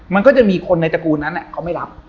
มันก็จะมีคนในตระกูลนั้นเขาไม่รับ